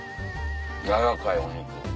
軟らかいお肉。